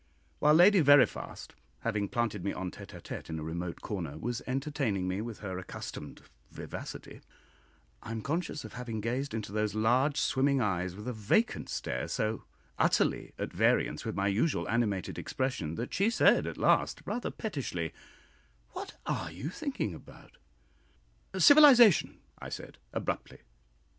While Lady Veriphast, having planted me en tête à tête in a remote corner, was entertaining me with her accustomed vivacity, I am conscious of having gazed into those large swimming eyes with a vacant stare so utterly at variance with my usual animated expression, that she said at last, rather pettishly, "What are you thinking about?" "Civilisation," I said, abruptly.